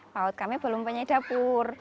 paut kami belum punya dapur